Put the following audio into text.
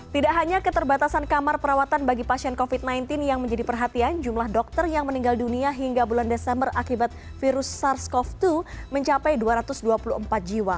tidak hanya keterbatasan kamar perawatan bagi pasien covid sembilan belas yang menjadi perhatian jumlah dokter yang meninggal dunia hingga bulan desember akibat virus sars cov dua mencapai dua ratus dua puluh empat jiwa